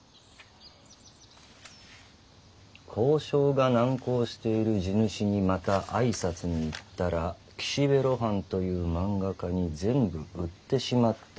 「交渉が難航している地主にまたあいさつに行ったら岸辺露伴という漫画家に全部売ってしまったという。